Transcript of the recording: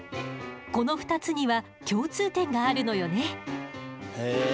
この２つには共通点があるのよね。